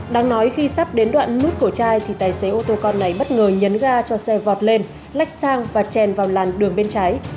đáng nói khi sắp đến đoạn nút của chai thì tài xế ô tô con này bất ngờ nhấn ga cho xe vọt lên lách sang và chèn vào làn đường bên trái